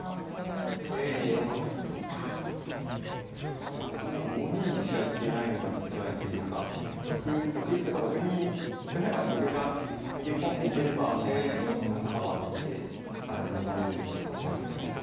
確かにこの時に５二にしか行けないのがつらいというか６一とか６二ぐらいまで玉が逃げ込んでいければ７一銀もカバーできてかなり粘れる形なんですけど。